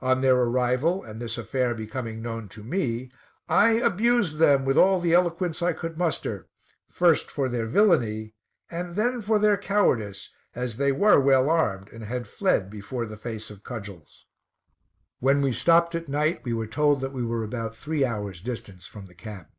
On their arrival, and this affair becoming known to me, I abused them with all the eloquence I could muster, first, for their villainy, and then for their cowardice, as they were well armed, and had fled before the face of cudgels. When we stopped at night, we were told that we were about three hours distance from the camp.